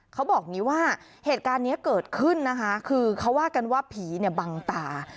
เขาบอกว่าเกิดขึ้นนะคะคือเขาว่าการว่าผีเนี่ยบังตา